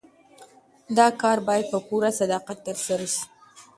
دا کار باید په پوره صداقت ترسره سي.